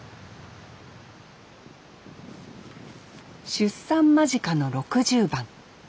出産間近の６０番。